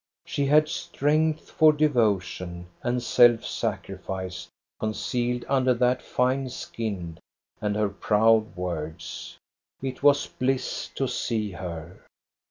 She had strength for devotion and self sacrifice concealed under that fine skin and her proud words. It was bliss to see her.